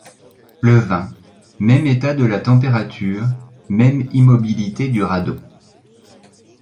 Le vingt, même état de la température, même immobilité du radeau.